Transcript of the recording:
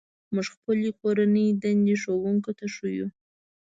موږ خپلې کورنۍ دندې ښوونکي ته ښيو.